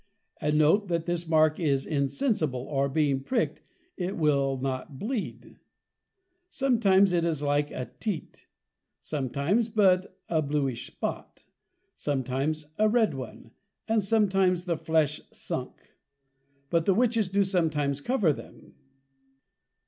_ And note, That this mark is Insensible, and being prick'd it will not Bleed. Sometimes, its like a Teate; sometimes but a Blewish Spot; sometimes a Red one; and sometimes the flesh Sunk: but the Witches do sometimes cover them.